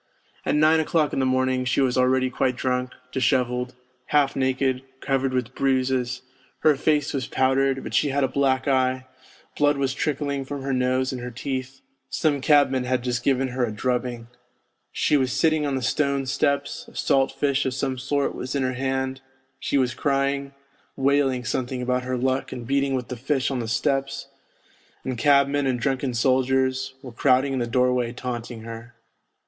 At nine o'clock in the morning she was already quite drunk, dishevelled, half naked, covered with bruises, her face was powdered, but she had a black eye, blood was trickling from her nose and her teeth; some cabman had just given her a drubbing. She was sitting on the stone steps, a salt fish of some sort was in her hand ; she was crying, wailing something about her luck and beating with the fish on the steps, and cabmen and drunken soldiers were crowding in the doorway taunting her.